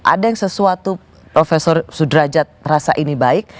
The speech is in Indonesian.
ada yang sesuatu profesor sudrajat rasa ini baik